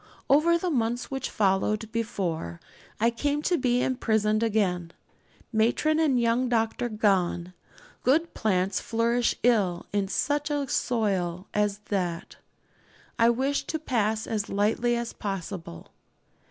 Over the months which followed before I came to be imprisoned again, matron and young doctor gone good plants flourish ill in such a soil as that I wish to pass as lightly as possible.